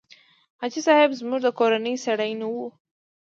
حاجي صاحب زموږ د کورنۍ سړی نه و.